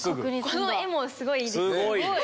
この絵もすごいいいですね。